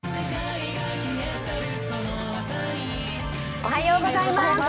おはようございます。